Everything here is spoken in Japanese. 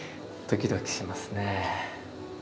ドキドキしますね。